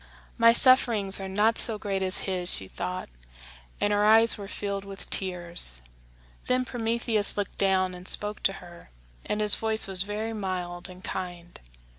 "My sufferings are not so great as his," she thought; and her eyes were filled with tears. Then Prometheus looked down and spoke to her, and his voice was very mild and kind.